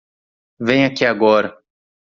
Venha aqui agora.